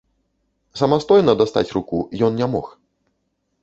Самастойна дастаць руку ён не мог.